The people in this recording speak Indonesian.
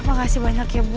makasih banyak ya bu